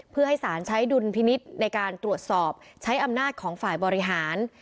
เพื่อให้สารใช้ดุลพินิษฐ์ในการตรวจสอบใช้อำนาจของฝ่ายบริหาร